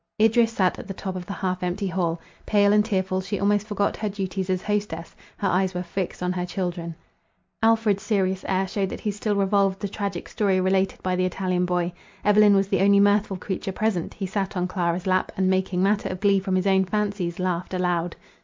Idris sat at the top of the half empty hall. Pale and tearful, she almost forgot her duties as hostess; her eyes were fixed on her children. Alfred's serious air shewed that he still revolved the tragic story related by the Italian boy. Evelyn was the only mirthful creature present: he sat on Clara's lap; and, making matter of glee from his own fancies, laughed aloud.